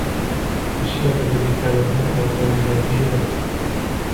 الشاب الذي كان هنا أعطاني هذه لك.